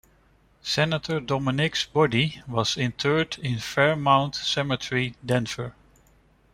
Senator Dominick's body was interred in Fairmount Cemetery, Denver.